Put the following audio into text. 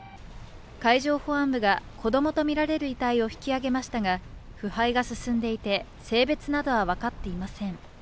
海上保安部が子供とみられる遺体を引き上げましたが、腐敗が進んでいて性別などは分かっていません。